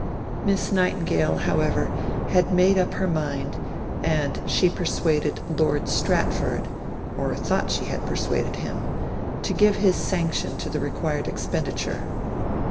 Miss Nightingale, however, had made up her mind, and she persuaded Lord Stratford or thought she had persuaded him to give his sanction to the required expenditure.